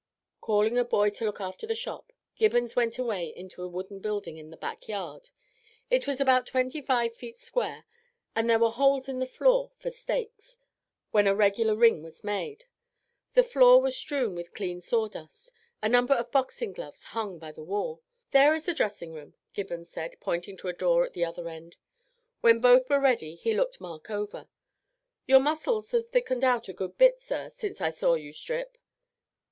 Calling a boy to look after the shop, Gibbons went away into a wooden building in the back yard; it was about twenty five feet square, and there were holes in the floor for the stakes, when a regular ring was made. The floor was strewn with clean sawdust; a number of boxing gloves hung by the wall. "There is the dressing room," Gibbons said, pointing to a door at the other end. When both were ready he looked Mark over. "Your muscles have thickened out a good bit, sir, since I saw you strip.